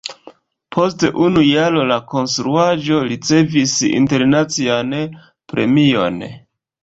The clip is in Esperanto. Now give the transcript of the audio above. Post unu jaro la konstruaĵo ricevis internacian premion.